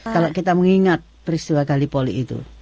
kalau kita mengingat peristiwa kalipoli itu